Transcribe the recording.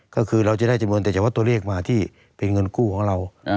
ก็คือเราจะได้จำนวนแต่เฉพาะตัวเลขมาที่เป็นเงินกู้ของเรา